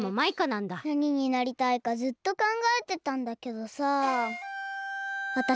なにになりたいかずっとかんがえてたんだけどさ。